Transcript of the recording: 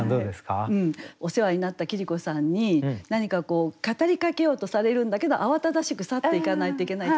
お世話になった桐子さんに何かこう語りかけようとされるんだけど慌ただしく去っていかないといけない。